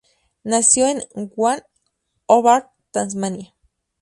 Nació wn Hobart, Tasmania.